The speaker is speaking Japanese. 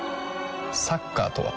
サッカーとは？